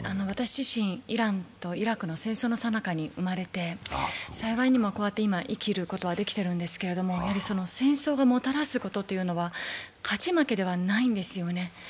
私自身、イランとイラクの戦争の最中に生まれて、幸いにもこうやって生きることはできているんですけど、やはり戦争がもたらすことというのは勝ち負けではないんですよね。